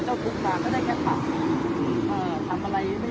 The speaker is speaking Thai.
ตอนนี้กำหนังไปคุยของผู้สาวว่ามีคนละตบ